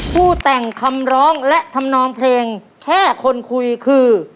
ผู้แต่งคำร้องและทำนองเพลงแค่คนคุยคือ